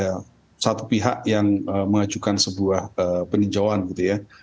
yang kedua adalah keputusan yang diadakan oleh mahkamah konstitusi